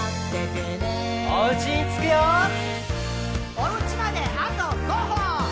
「おうちまであと５歩！」